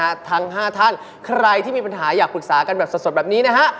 ทั้งห้าท่านใครที่มีปัญหาอยากปรึกษากันแบบสดแบบนี้นะฮะ